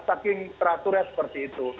saking teraturnya seperti itu